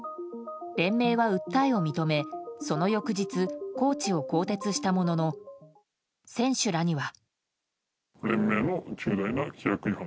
連盟は訴えを認め、その翌日コーチを更迭したものの選手らには。